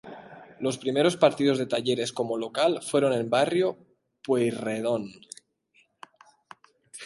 Los primeros partidos de Talleres como local fueron en Barrio Pueyrredón.